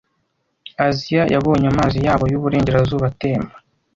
Aziya, yabonye amazi yabo yuburengerazuba atemba